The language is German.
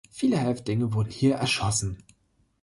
Viele Häftlinge wurden hier erschossen.